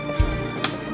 jangan lupa untuk mencoba